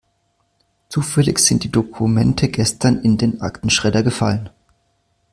Zufällig sind die Dokumente gestern in den Aktenschredder gefallen.